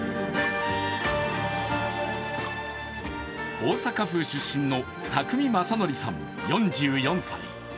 大阪府出身の宅見将典さん４４歳。